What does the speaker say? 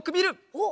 おっ！